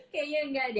kayaknya gak deh